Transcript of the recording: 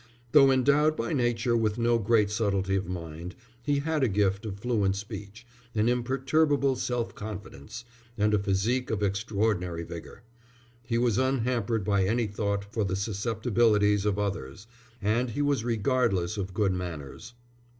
Though endowed by nature with no great subtlety of mind, he had a gift of fluent speech, an imperturbable self confidence, and a physique of extraordinary vigour. He was unhampered by any thought for the susceptibilities of others, and he was regardless of good manners.